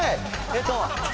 えっと。